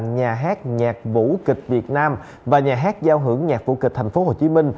nhà hát nhạc vũ kịch việt nam và nhà hát giao hưởng nhạc vũ kịch tp hcm